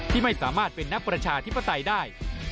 ที่ไม่สามารถเป็นนักประชาธิปไตยได้